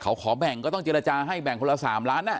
เขาขอแบ่งก็ต้องเจรจาให้แบ่งคนละ๓ล้าน